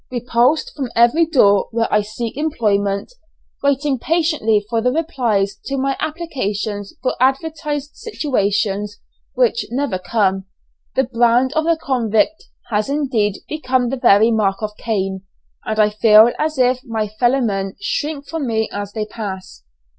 Repulsed from every door where I seek employment, waiting patiently for the replies to my applications for advertised situations, which never come, the brand of the convict has indeed become the very mark of Cain, and I feel as if my fellowmen shrink from me as they pass.